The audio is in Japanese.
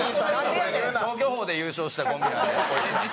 消去法で優勝したコンビなんでこいつら。